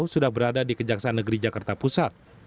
sudah berada di kejaksaan negeri jakarta pusat